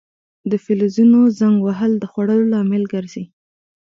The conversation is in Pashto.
د فلزونو زنګ وهل د خوړلو لامل ګرځي.